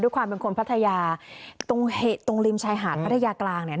ความเป็นคนพัทยาตรงริมชายหาดพัทยากลางเนี่ย